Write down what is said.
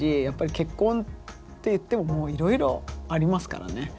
やっぱり結婚っていってももういろいろありますからね。